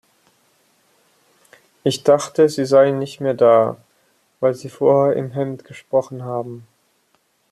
Ich dachte, Sie seien nicht mehr da, weil Sie vorher im Hemd gesprochen haben!